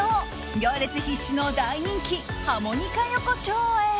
行列必至の大人気、ハモニカ横丁へ。